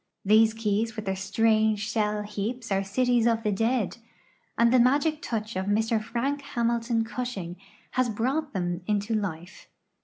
These ke\'s with their strange shell heaps are cities of the dead, and the magic touch of Mr Frank Hamilton Cushing has brought them into life.